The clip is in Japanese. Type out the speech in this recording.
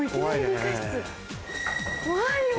怖いよ何？